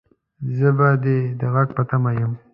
زه به دې د غږ په تمه يم